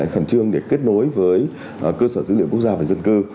khẩn trương để kết nối với cơ sở dữ liệu quốc gia về dân cư